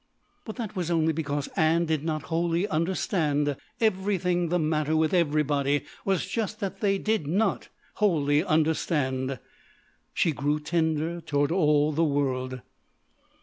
But that was only because Ann did not wholly understand. Everything the matter with everybody was just that they did not wholly understand. She grew tender toward all the world.